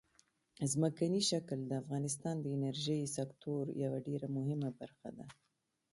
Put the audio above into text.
ځمکنی شکل د افغانستان د انرژۍ سکتور یوه ډېره مهمه برخه ده.